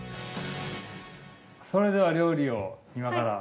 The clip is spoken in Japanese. それでは料理を今から。